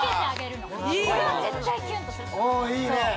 あいいね。